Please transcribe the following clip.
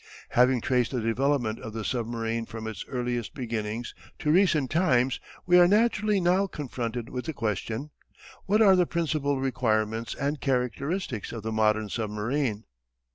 Having traced the development of the submarine from its earliest beginnings to recent times we are naturally now confronted with the question "What are the principal requirements and characteristics of the modern submarine?"